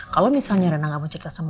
kalau misalnya rena gak mau cerita sama